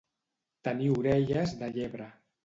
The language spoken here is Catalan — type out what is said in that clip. Tenir orelles de llebre.